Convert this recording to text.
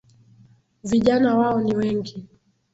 Vijana wao ni wengi